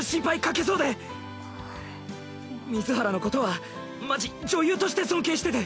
水原のことはマジ女優として尊敬してて。